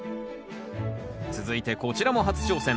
続いてこちらも初挑戦。